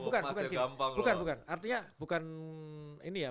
kalimantan kampung loh pak